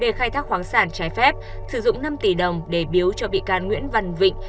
để khai thác khoáng sản trái phép sử dụng năm tỷ đồng để biếu cho bị can nguyễn văn vịnh